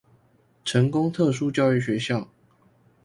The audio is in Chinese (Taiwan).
成功特殊教育學校